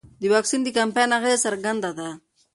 د واکسین د کمپاین اغېز څرګند دی.